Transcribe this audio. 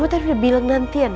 mama tadi udah bilang nanti ya nek